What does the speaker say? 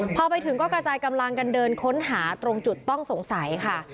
พอไปถึงก็กระจายกำลังกันเดินค้นหาตรงจุดต้องสงสัยค่ะ